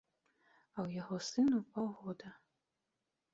А ў яго сыну паўгода.